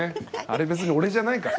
あれ別に俺じゃないか。